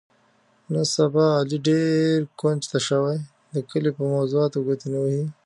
نن سبا علي ډېر کونج ته شوی، د کلي په موضاتو ګوتې نه وهي.